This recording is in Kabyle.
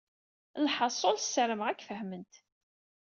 Lḥaṣul, ssarameɣ ad k-fehment.